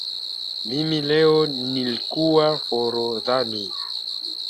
Mimi leo nlikua forodhani